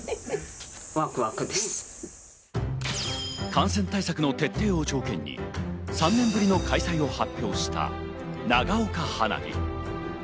感染対策の徹底を条件に、３年ぶりの開催を発表した長岡花火。